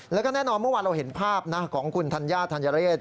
แล้วก็แน่นอนเมื่อวานเราเห็นภาพของคุณธัญญาธัญเรศ